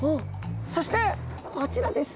そしてこちらです。